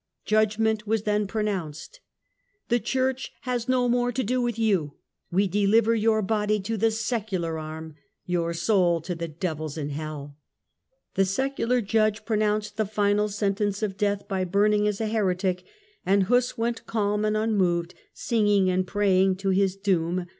Judg ment was then pronounced :" The Church has no more to do with you. We dehver your body to the secular arm, your soul to the devils in hell." The secular judge pronounced the final sentence of death Execution by burning as a heretic, and Huss went calm and un eth July, moved, singing and praying, to his doom.